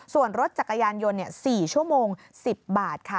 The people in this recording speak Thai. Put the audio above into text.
ส่วนรถจักรยานยนต์๔ชั่วโมง๑๐บาทค่ะ